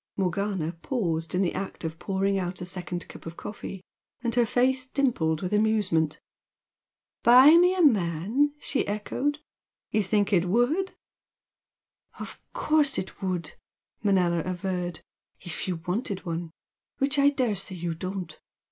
Morgana paused in the act of pouring out a second cup of coffee, and her face dimpled with amusement. "Buy me a man!" she echoed "You think it would?" "Of course it would!" Manella averred "If you wanted one, which I daresay you don't.